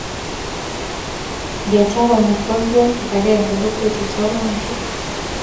Kechop amitwogik eng kipakenge kotechei chorwandit